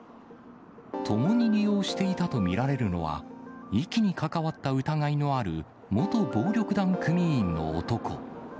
ともに利用していたと見られるのは、遺棄に関わった疑いのある元暴力団組員の男。